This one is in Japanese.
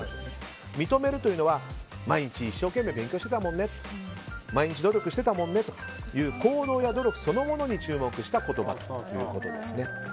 認めるというのは毎日一生懸命勉強してたもんね毎日努力してたもんねという行動や努力そのものに注目した言葉ということです。